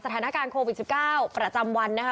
สถานการณ์โควิด๑๙ประจำวันนะคะ